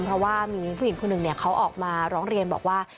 เพราะว่ามีผู้หญิงคนหนึ่งเขาออกมาร้องเรียนบอกว่า